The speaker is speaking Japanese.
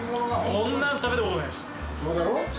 こんなの食べたことないです。